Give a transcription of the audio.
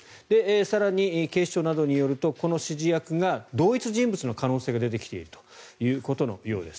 更に、警視庁などによるとこの指示役が同一人物の可能性が出てきていることのようです。